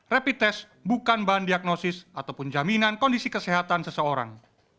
rapid test bukan bahan diagnosis ataupun jaminan kondisi kesehatan seseorang